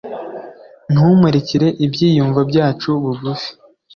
ntumurikire ibyiyumvo byacu bigufi